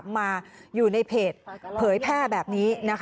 มาอยู่ในเพจเผยแพร่แบบนี้